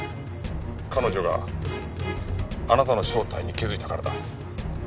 彼女があなたの正体に気づいたからだ。